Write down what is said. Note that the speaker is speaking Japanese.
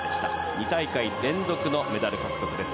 ２大会連続のメダル獲得です。